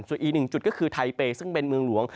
ส่วนอีกหนึ่งจุดก็คือไทเปย์ซึ่งเป็นเมืองหลวง